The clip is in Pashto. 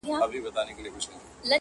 زه چي وګورمه تاته عجیبه سم,